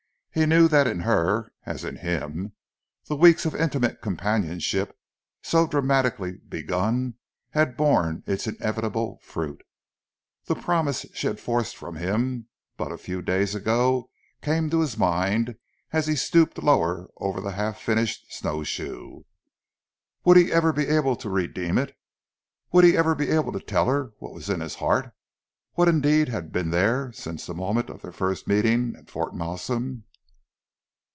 He knew that in her, as in him, the weeks of intimate companionship so dramatically begun had borne its inevitable fruit. The promise she had forced from him but a few days ago came to his mind as he stooped lower over the half finished snow shoe. Would he ever be able to redeem it? Would he ever be able to tell her what was in his heart, what indeed had been there since the moment of their first meeting at Fort Malsun?